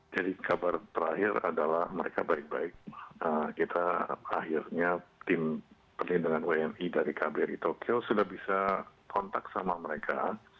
jadi kabar terakhir adalah mereka baik baik kita akhirnya tim penyelidikan uni dari kbri tokyo sudah bisa kontak sama mereka